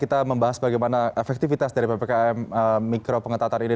kita membahas bagaimana efektivitas dari ppkm mikro pengetatan ini